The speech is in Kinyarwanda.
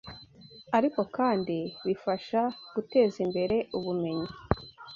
ariko kandi bifasha guteza imbere ubumenyi